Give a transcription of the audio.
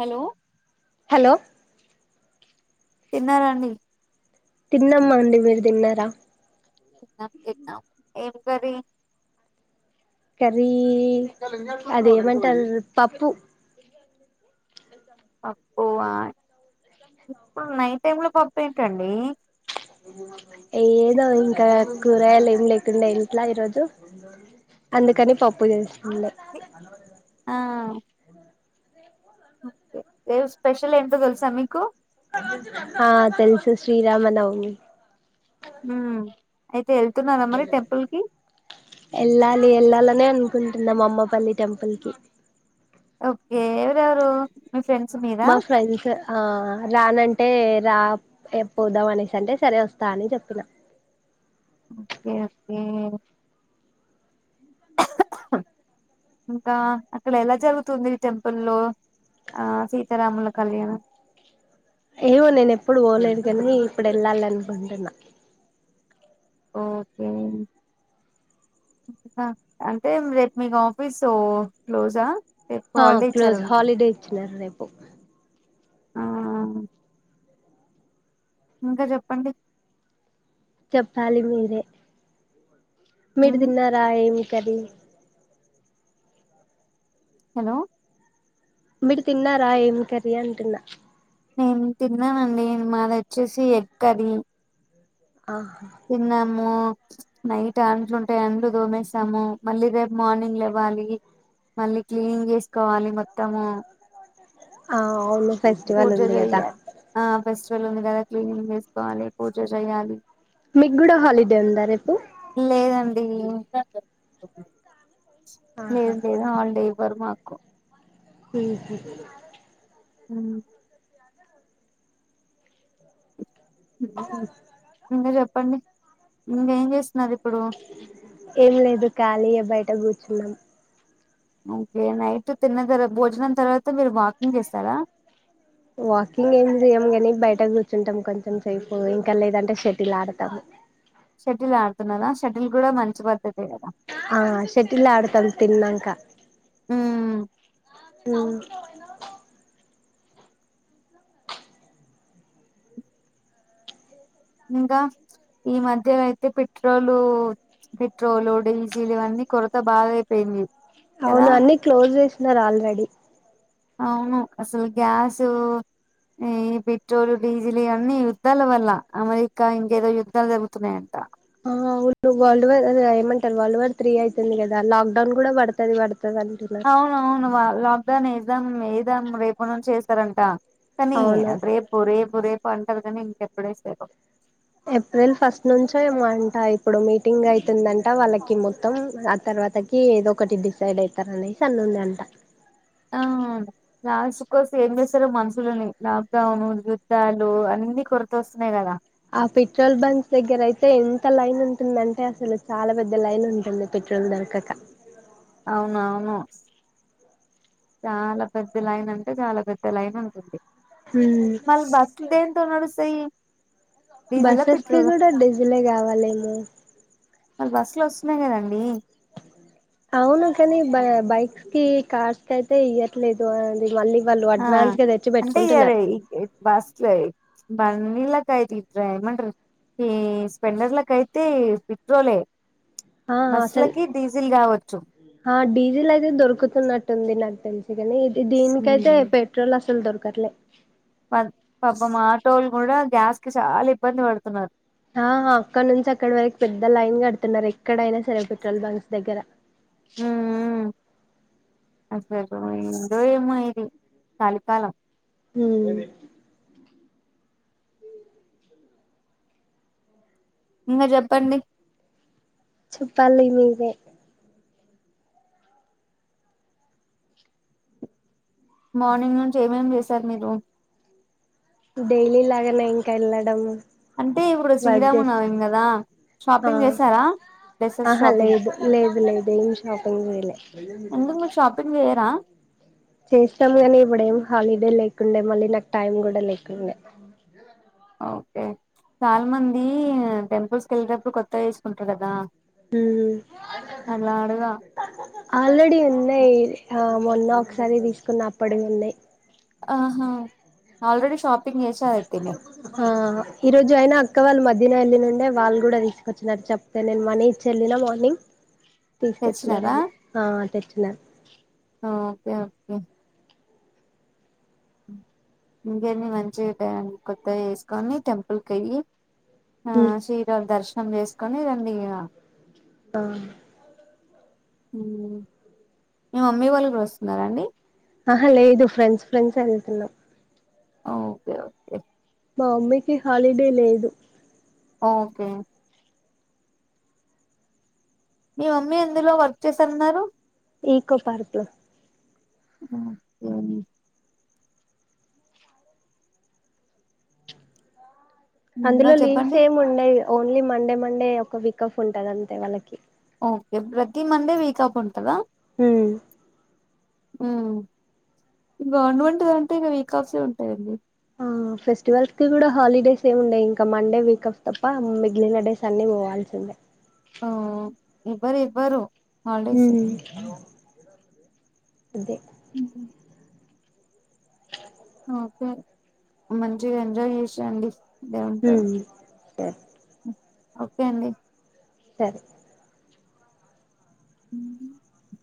Hello hello తిన్నారండి తిన్నామండి మీరు దిన్నారా తిన్నం తిన్నం ఏం కర్రి కర్రి అదేమంటారు పప్పు పప్పువా ఇప్పుడు నైట్ టైమ్ లో పప్పు ఏంటండి ఏదో ఇంక కూరగాయలు ఏం లేకుండె ఇంట్లో ఈరోజు అందుకని పప్పు చేసి ఉండె ఆ.. ఏం స్పెష ఆ తెలుసు శ్రీరామనవమి హ్మ్ అయితే వెళ్తున్నారా మరి టెంపుల్ కి ఎళ్ళలి ఎళ్ళాలనే అను కుంటున్నా అమ్మపల్లి టెంపుల్ కి ఓకే ఎవరెవరూ మా ఫ్రెండ్స్ ఆ రాన టే రా పోదాం ఎ అనేసి అంటే సరే వస్తా అని జెప్పిన ఓకే ఓకే ఇంకా అక్కడ ఎలా జరుగుతుంది టెంపుల్లో ఆ సీతారాముల కళ్యాణం ఏమో నేను ఎప్పుడు ఓలేదు గానీ ఇప్పుడు ఎళ్ళాలి అనుకుంటున్నా ఓకే అంటే రేపు మీకు ఆఫీస్ క్లోజ్ ఆ ఆ క్లోజ్ హాలిడే ఇచ్చినారు రేపు ఆ ఇంకా జెప్పండి చెప్పాలి మీరే మీరు మ్మ్ తిన్నారా ఏమి కర్రి హలో మీరు తిన్నారా ఏం కర్రి అంటున్న నేను తిన్నానండి మాది వచ్చేసి ఎగ్ కర్రి ఆహా అమ్మో నైట్ అంట్లు ఉంటాయి అంట్లు దొమేశాము మళ్ళీ రేపు మార్నింగ్ లెవ్వాలి మళ్ళీ క్లీన్ జేసుకోవాలి మొత్తము ఆ అవును ఫెస్టివల్ పూజ ఉంది కదా చెయ్యాలి ఆ ఫెస్టివల్ ఉంది కదా క్లీనింగ్ చేసుకోవాలి పూజ చేయ్యాలి మీగ్గుడ హాలిడే ఉందా రేపు లేదండి ఆహా లేదు లేదు హల్డే ఇవ్వరు మాకు హ్మ్ హు హ్మ్ ఇంకా చెప్పండి ఇంకేం చేస్ ఏం లేదు ఖాళీయే బయట కూర్చున్నాం ఓకే నైట్ తిన్న తర్వా భోజనం తర్వాత మీరు వాకింగ్ చేస్తారా వాకింగ్ ఏం చేయ్యం కాని బయట కూర్చుంటాం కొంచెం సేపు ఇంకా లేదంటే షటిల్ ఆడతాము షటిల్ ఆడుతున్నారా షటిల్ కూడా మంచి పద్ధతే కదా ఆ షటిల్ ఆడుతం తిన్నంక ఉమ్, ఉమ్మ్ ఇంగ ఈ మధ్య అయితే పెట్రోలు పెట్రోలు డీజీలు అన్నీ కొరత బాగా అయిపోయింది కదా అవును అన్ని క్లోజ్ చేసినారు ఆల్రెడీ అవును అసలు గ్యాసు ఈ పెట్రోల్ డీజిల్ ఇవన్నీ యుద్ధాల వల్ల అమెరికా ఇండియా ఏదో యుద్ధాలు జరుగుతున్నాయంట ఆ వరల్డ్ వర్ అ ఏమంటారు వరల్డ్ వార్ త్రీ అవుతుంది కదా లాక్ డౌన్ కూడా పడుతుంది వాడు అవునవును లాక్డౌన్ వేద్దాం వేద్దాం రేపటి నుంచి వేస్తారు అంట కానీ అవును రేపు రేపు రేపు అంటారు కానీ ఇంకెప్పుడేసారు ఏప్రిల్ ఫస్ట్ నుంచీ ఏమో అంట ఇప్పుడు మీటింగ్ అవుతుందంట వాళ్ళకి మొత్తం ఆ తర్ తర్వాతకి ఏదో ఒకటి డిసైడ్ అవుతారు అనేసి అన్నంది అంట ఆ లాస్ట్ వస్తే ఏం చేస్తారో మనుషులని లాక్ డౌన్ యుద్ధాలు అన్ని కొరత వస్తున్నాయి కదా ఆ పెట్రోల్ బంక్ దగ్గర అయితే ఎంత లైన్ ఉంటుందంటే అసలు చాలా పెద్ద లైన్ ఉంటుంది పె పెట్రోల్ దొరకక అవునవును చాలా పెద్ద లైన్ అంటే చాలా పెద్ద లైన్ ఉంటుంది హ్మ్ మళ్ళీ బస్ దే నడుస్తాయి డీజిలా బస్సెస్ కి పెట్రోల్ కూడా డిజిల్ ఏ కావాలేమో వాళ్ళు బస్సు లో వస్తున్నాయి కదండి అవును కానీ బ బైక్స్ కి కార్స్ కి అయితే ఇయ్యట్లేదు అది మళ్ళీ వాళ్ళు ఆ అడ్వాన్స్ గా తెచ్చి అంటే ఇయర్ పెట్టుకుంటున్నారు బస్సులే బండిలకైతే ఇప్పుడేమంటారు ఈ స్పెండర్లకి అయితే పెట్రోలే ఆ అసలు బస్సులకి డీజిల్ కావచ్చు ఆ డీజిల్ అయితే దొరుకుతున్నట్టుంది కు ది దీనికైతే పెట్రోల్ అసలు దొరకట్లే ప పాప ఆటోలు కూడా గ్యాస్ కి చాలా ఇబ్బంది పడుతున్నారు ఆ అక్కడ నుంచి అక్కడి వరకు పెద్ద లైన్ కడుతున్నారు ఎక్కడైనా సరే పెట్రోల్ బంక్స్ దగ్గర హుహు అసలు ఏందో ఏమో ఇది కలికాలం ఉమ్ ఇంగా చెప్పండి చెప్పాలి మార్నింగ్ నుంచి ఏమేమి చేశారు మీరు డైలీ లాగానే ఇంకా వెళ్ళడం అంటే ఇప్పుడు వర్క్ చేసుకు శ్రీరామ్న్నం కదా ఆ షాపింగ్ చేసారా డ్రెస్సెస్ ఆహా షాపింగ్ లేదు లేదు లేదు ఏం షాపింగ్ చేయలే ఎందుకు మీకు షాపింగ్ చేయరా చేస్తాం గానీ ఇప్పుడెం హాలిడే లేకుండే మళ్ళీ నాకు టైం కూడా లేకుండే ఓకే చాలా మంది టెంపుల్స్ క వెళ్ళటప్పుడు కొత్తగా చేసుకుంటారు కదా హ అలా అడగా ఆల్రెడి ఉన్నాయ్ ఆ మొన్న ఒకసారి తీసుకున్న అప్పటి ఉంది ఆహా ఆల్్రెడీ షాప్ ఆ ఈరోజు అయినా అక్క వాళ్ళ మధ్య దిన వెళ్ళి నుండే వాళ్ళు కూడా తీసుకొచ్చినారు చెప్తే నేను మనీ ఇచ్చి వెళ్ళిన మార్నింగ్ తీసుకొచ్చినారు తెచ్చినారా ఆ తెచ్చిన స ఇంకేన్ని మంచిడి కొత్తగా వేసుకని టెంపుల్ క అయ్యి ఆ శ్రీరాళ దర్శనం చేసుకొని రండి ఆ మ్మ్ మీ మమ్మీ వాళ్ళు కూడా వస్తున్నారా అండి ఆహా లేదు ఫ్రెండ్స్ ఫ్రెండ్స్ వెళ్తున్నాం. Okay okay. మా మమ్మీకి హాలిడే లేదు. ఓకే. మీ మమ్మీ ఎందులో వర్క్ చేస్తన్నారు. ఈకో పార్క్లో ఆ ఓకే ఇంకా అందులో లీవ్స్ చెప్పండి ఏమి ఉండేయ్ ఓన్లీ మండే మండే ఒక వీక్ ఆఫ్ ఉంటది అంతే వాళ్ళకి ఓకే ప్రతి మండే వీక్ ఆఫ్ ఉంటదా మ్. మ్. గవర్నంట్ దంటే ఇక వీక్ ఆఫె ఉంటదండి. ఆ ఫెస్టివల్స్ కి కూడా హాలిడేస్ ఏమి ఉండయ్ ఇంక మండే వీక్ ఆఫ్ తప్ప మిగిలిన డేస్ అన్ని పోవాల్సిందే ఆ ఇవ్వరివ్వరు. హ్మ్ అదే మ్ హు ఓకే మంచిగ ఎంజాయ్ చేసిరండి. హ్మ్ సరే. ఓకే అండి. సరే హ